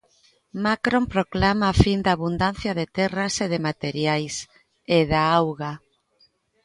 Macron proclama a fin da abundancia de terras e de materiais, e da auga.